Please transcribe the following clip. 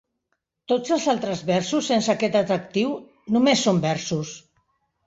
Tots els altres versos, sense aquest atractiu, només són versos.